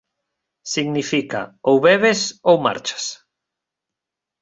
Significa: «ou bebes ou marchas».